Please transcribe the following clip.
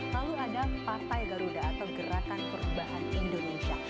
lalu ada partai garuda atau gerakan perubahan indonesia